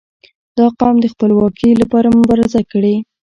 • دا قوم د خپلواکي لپاره مبارزه کړې.